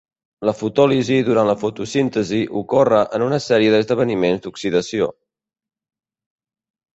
La fotòlisi durant la fotosíntesi ocorre en una sèrie d'esdeveniments d'oxidació.